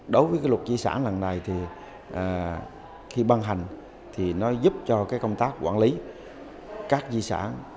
đối với luật di sản lần này thì khi băng hành thì nó giúp cho công tác quản lý các di sản